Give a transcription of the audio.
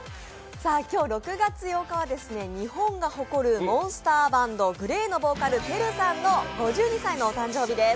今日６月８日は日本が誇るモンスターバンド、ＧＬＡＹのボーカル・ＴＥＲＵさんの５２歳のお誕生日です。